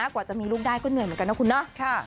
กว่าจะมีลูกได้ก็เหนื่อยเหมือนกันนะคุณเนาะ